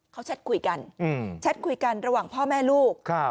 เขาแชทคุยกันแชทคุยกันระหว่างพ่อแม่ลูก